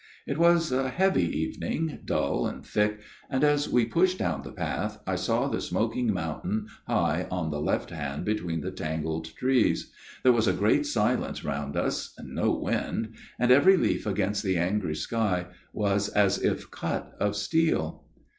" It was a heavy evening, dull and thick, and as we pushed down the path I saw the smoking mountain high on the left hand between the tangled trees. There was a great silence round us, and no wind, and every leaf against the angry sky was as if cut of steel.